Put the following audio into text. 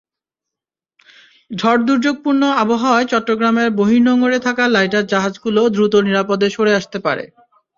ঝড়-দুর্যোগপূর্ণ আবহাওয়ায় চট্টগ্রামের বহির্নোঙরে থাকা লাইটার জাহাজগুলো দ্রুত নিরাপদে সরে আসতে পারে।